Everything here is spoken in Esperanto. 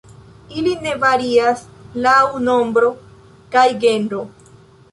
Ili ne varias laŭ nombro kaj genro.